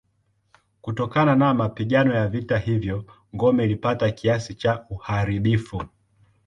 Kutokana na mapigano ya vita hivyo ngome ilipata kiasi cha uharibifu.